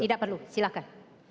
tidak perlu silahkan